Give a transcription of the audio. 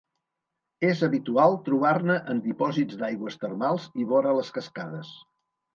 És habitual trobar-ne en dipòsits d'aigües termals i vora les cascades.